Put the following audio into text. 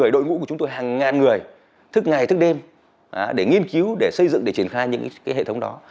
với đội ngũ của chúng tôi hàng ngàn người thức ngày thức đêm để nghiên cứu để xây dựng để triển khai những hệ thống đó